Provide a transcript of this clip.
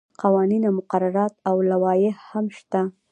قوانین او مقررات او لوایح هم شته.